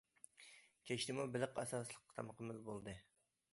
كەچتىمۇ بېلىق ئاساسلىق تامىقىمىز بولدى.